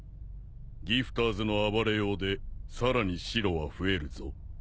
ギフターズの暴れようでさらに白は増えるぞ。